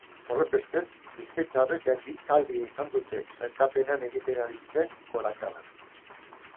Horrenbestez, bizkaitarrek geldialdia izan dute sailkapenean egiten ari ziren gorakadan.